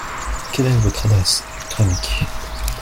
Quel est votre adresse électronique ?